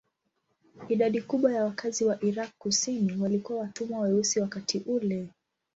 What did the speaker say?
Idadi kubwa ya wakazi wa Irak kusini walikuwa watumwa weusi wakati ule.